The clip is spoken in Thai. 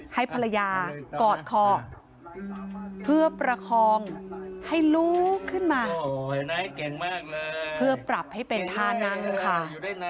ให้ภรรยากอดคอเพื่อประคองให้ลุกขึ้นมาเพื่อปรับให้เป็นท่านั่งค่ะ